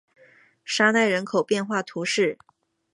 沙奈人口变化图示